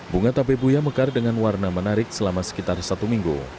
bunga tabe buya mekar dengan warna menarik selama sekitar satu minggu